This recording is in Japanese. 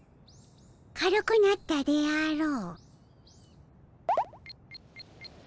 軽くなったであろう。